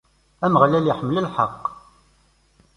Ameɣlal iḥemmel lḥeqq.